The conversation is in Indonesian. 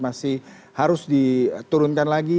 masih harus diturunkan lagi